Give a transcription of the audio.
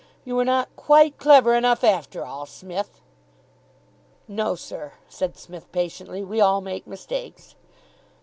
You were not quite clever enough, after all, Smith." "No, sir," said Psmith patiently. "We all make mistakes."